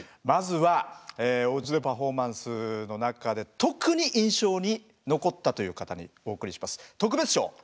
まずは「おうちでパフォーマンス」の中で特に印象に残ったという方にお贈りします特別賞。